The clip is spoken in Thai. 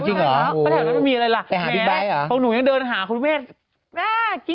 จริงเหรอประถับนั้นไม่มีอะไรล่ะแหมะพวกหนูยังเดินหาคุณพุทธเมฆ